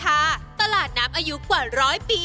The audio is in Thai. ก็จะเชิญชวนน้ำชมทางบ้านที่